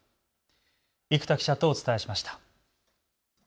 生田記者とお伝えしました。